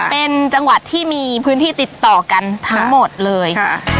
เป็นจังหวัดที่มีพื้นที่ติดต่อกันทั้งหมดเลย